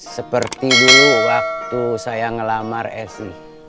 seperti dulu waktu saya ngelamar si